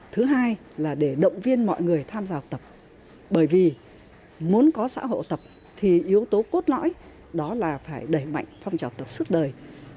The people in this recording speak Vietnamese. thứ hai là để động viên mọi người tham gia học tập bởi vì muốn có xã hội tập thì yếu tố cốt lõi đó là phải đẩy mạnh phong trào tập suốt đời